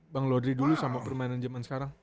bang lodri dulu sama permainan jaman sekarang